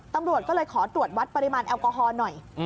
ตำรวจก็เลยขอตรวจวัดปริมาณแอลกอฮอล์หน่อย